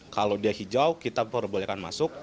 kalau dia hijau kita perbolehkan masuk